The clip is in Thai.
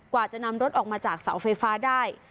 กว่าจะนำรถออกมาจากเสาไฟฟ้าได้